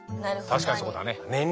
確かにそうだね。